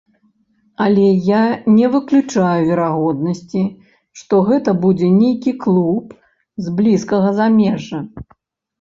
Але я не выключаю верагоднасці, што гэта будзе нейкі клуб з блізкага замежжа.